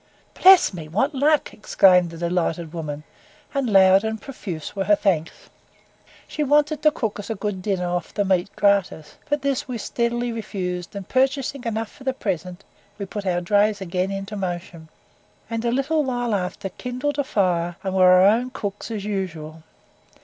"Bless me, what luck!" exclaimed the delighted woman, and loud and profuse were her thanks. She wanted to cook us a good dinner off the meat gratis; but this we steadily refused and purchasing enough for the present, we put our drays again into motion, and a little while after kindled a fire, and were our own cooks as usual.